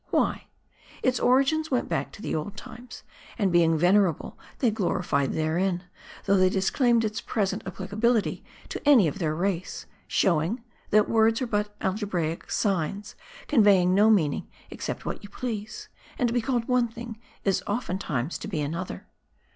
Why ? Its origin went back to old times ; and being venerable they gloried therein ; though they dis claimed its present applicability to any of their race ; show ing, that words" are but algebraic signs, conveying no mean ing except what you please. And to be called one thing, is oftentimes to be another.